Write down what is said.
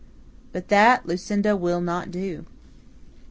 But that Lucinda will not do."